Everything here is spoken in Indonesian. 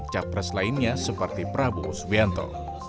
sebagai sebuah pernyataan lainnya seperti prabowo subianto